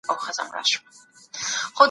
د بل په عزت کار مه لرئ.